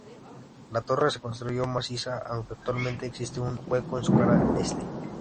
La torre se construyó maciza, aunque actualmente existe un hueco en su cara este.